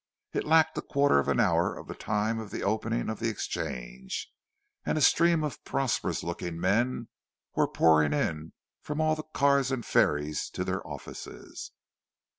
It lacked a quarter of an hour of the time of the opening of the Exchange; and a stream of prosperous looking men were pouring in from all the cars and ferries to their offices.